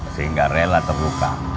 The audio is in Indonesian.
sehingga rela terbuka